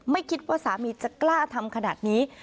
ไม่คิดว่าสามีจะกล้าทำขนาดนี้